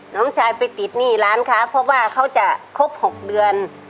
น้องชายไปติดหนี้ร้านค้าเพราะว่าเขาจะครบ๖เดือน